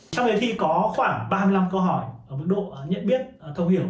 trong đề thi có khoảng ba mươi năm câu hỏi ở mức độ nhận biết thông hiểu